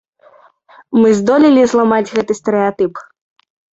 Мы здолелі зламаць гэты стэрэатып.